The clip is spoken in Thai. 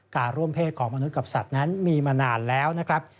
การร่วมเพศของมนุษย์กับสัตว์นั้นมีมานานแล้วนะครับ